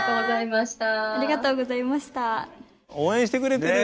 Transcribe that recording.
応援してくれてる。